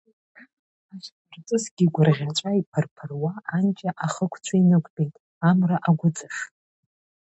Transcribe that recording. Ашьхарҵысгьы гәырӷьаҵәа иԥырԥыруа анҷа ахықәцәа инықәтәеит, амра агәыҵаш.